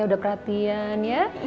sudah perhatian ya